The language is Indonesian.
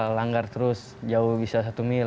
langgar terus jauh bisa satu mil